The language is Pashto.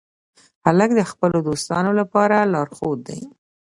هلک د خپلو دوستانو لپاره لارښود دی.